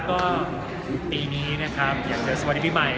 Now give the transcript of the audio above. ก็ปีนี้นะครับอยากจะสวัสดีพี่ใหม่